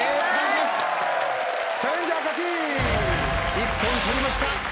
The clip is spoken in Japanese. １本取りました。